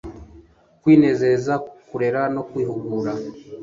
kwinezeza, kurera no kwihugura